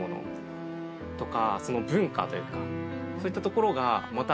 そういったところがまた。